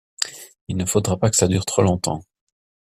Il ne faudra pas que ça dure trop longtemps.